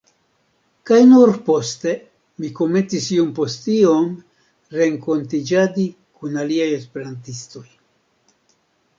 kaj nur poste mi komencis iom post iom renkontiĝadi kun aliaj esperantistoj.